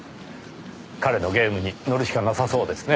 彼のゲームに乗るしかなさそうですね。